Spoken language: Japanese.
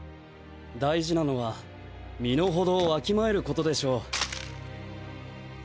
大事なのは身の程を弁えることでしょう。